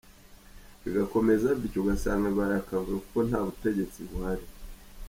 Bigakomeza bityo ugasanga bibaye akavuyo kuko nta butegetsi buhari.